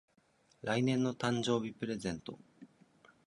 来年の誕生日プレゼント